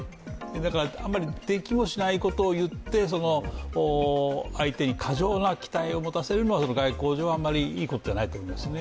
だから、あんまりできもしないことをいって、相手に過剰な期待を持たせるのは外交上あまり、いいことではないと思いますね。